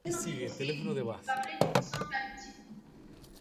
Les deux intéressés ont parlé d'une simple amitié.